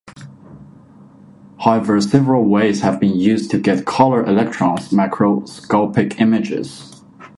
However, several ways have been used to get color electron microscopy images.